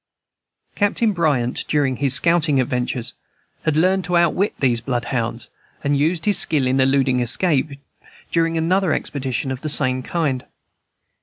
Captain Bryant, during his scouting adventures, had learned to outwit these bloodhounds, and used his skill in eluding escape, during another expedition of the same kind.